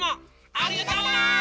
ありがとう！